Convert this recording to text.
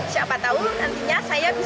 siapa tahu nantinya saya akan menemukan ini